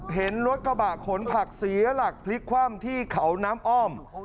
เห็นรถกระบะขนผักเสียหลักพลิกคว่ำที่เขาน้ำอ้อม